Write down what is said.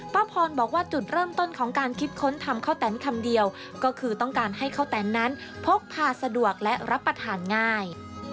ป้าพรบอกว่าจุดเริ่มต้นของการคิดค้นทำข้าวแตนคำเดียวก็คือต้องการให้ข้าวแตนนั้นพกพาสะดวกและรับประทานง่าย